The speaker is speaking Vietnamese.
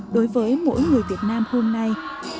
đối với mỗi người việt nam hôm nay